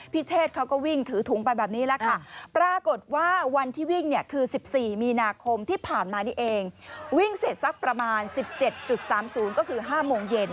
ประมาณ๑๗๓๐ก็คือห้าโมงเย็น